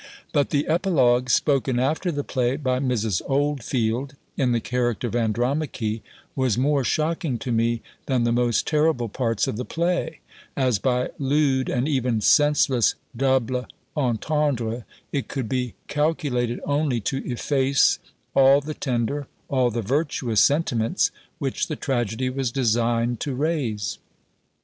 But the epilogue spoken after the play, by Mrs. Oldfield, in the character of Andromache, was more shocking to me, than the most terrible parts of the play; as by lewd and even senseless double entendre, it could be calculated only to efface all the tender, all the virtuous sentiments, which the tragedy was designed to raise.